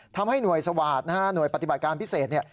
ทำให้หน่วยสวาสตร์นะฮะหน่วยปฏิบัติการพิเศษเนี่ย